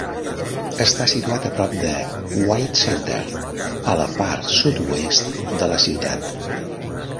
Està situat a prop de White Center, a la part sud-oest de la ciutat.